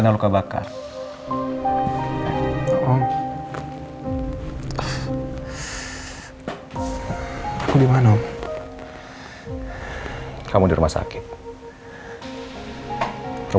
ada kesempatan casting film layar lebar hari ini